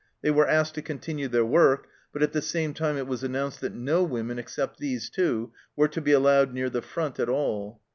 They were asked to continue their work, but at the same time it was announced that no women except these two were to be allowed near the front at all.